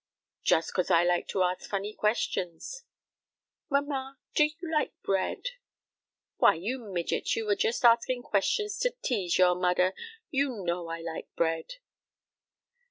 "Just 'cause I like to ask funny questions. Mamma, do you like bread?" "Why, you midget, you are just asking questions to tease your mudder. You know I like bread."